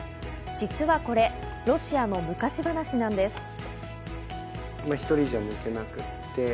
実はこれ、ロシアの昔話なんです。